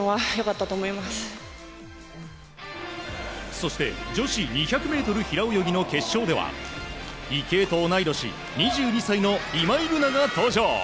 そして女子２００ｍ平泳ぎの決勝では池江と同い年、２２歳の今井月が登場。